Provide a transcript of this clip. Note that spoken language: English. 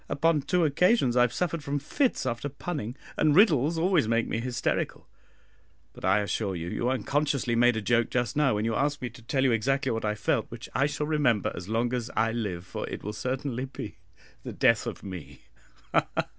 Upon two occasions I have suffered from fits after punning, and riddles always make me hysterical; but I assure you, you unconsciously made a joke just now when you asked me to tell you exactly what I felt, which I shall remember as long as I live, for it will certainly be the death of me ha! ha!